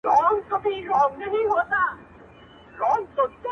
• نه مي د چا پر زنگون ســــر ايــښـــــى دى.